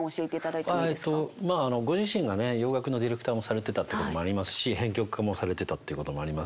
まあご自身がね洋楽のディレクターもされてたってこともありますし編曲家もされてたっていうこともあります。